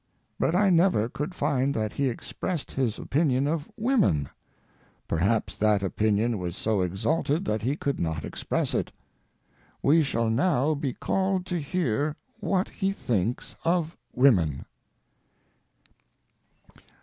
But I never could find that he expressed his opinion of women; perhaps that opinion was so exalted that he could not express it. We shall now be called to hear what he thinks of women."